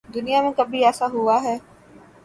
دنیا میں کبھی ایسا ہو اہے؟